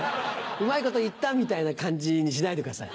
うまいこと言ったみたいな感じにしないでください。